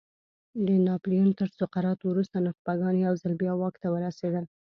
د ناپیلیون تر سقوط وروسته نخبګان یو ځل بیا واک ته ورسېدل.